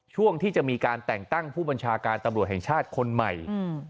ช่วงที่จะมีการแต่งตั้งผู้บัญชาการตำรวจแห่งชาติคนใหม่อืม